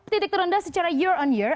titik terendah secara year on year